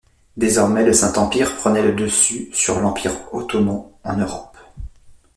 Désormais le Saint Empire prenait le dessus sur l’Empire ottoman en Europe.